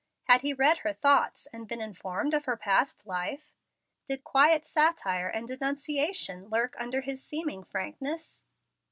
Had he read her thoughts, and been informed of her past life? Did quiet satire and denunciation lurk under this seeming frankness?